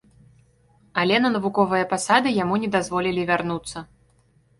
Але на навуковыя пасады яму не дазволілі вярнуцца.